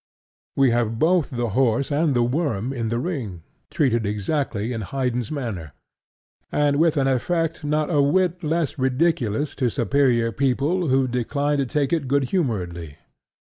We have both the horse and the worm in The Ring, treated exactly in Haydn's manner, and with an effect not a whit less ridiculous to superior people who decline to take it good humoredly.